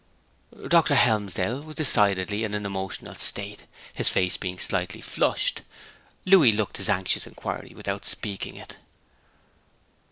Dr. Helmsdale was decidedly in an emotional state, his face being slightly flushed. Louis looked his anxious inquiry without speaking it.